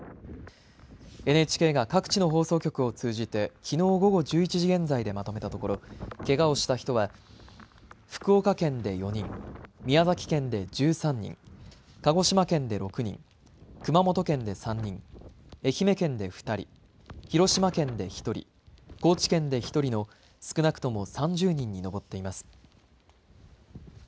ＮＨＫが各地の放送局を通じてきのう午後１１時現在でまとめたところ、けがをした人は、福岡県で４人、宮崎県で１３人、鹿児島県で６人、熊本県で３人、愛媛県で２人、広島県で１人、高知県で１人の少なくとも３０人に上っています。